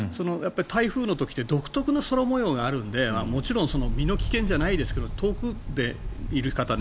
台風の時って独特の空模様があるのでもちろん身の危険じゃないですけど遠くでいる方